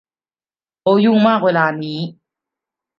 เขายุ่งมากเวลานี้